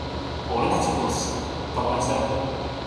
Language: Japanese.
俺たちは同志、友達だろ？